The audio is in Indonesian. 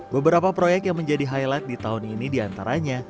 beberapa proyek yang menjadi highlight di tahun ini diantaranya